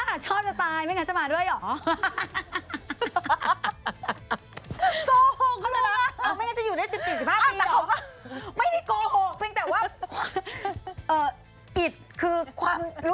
บ้าชอบจะตายไม่อยากจะมาด้วยเหรอ